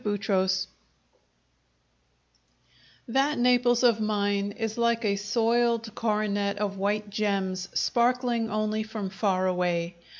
Chapter Seven That Naples of mine is like a soiled coronet of white gems, sparkling only from far away.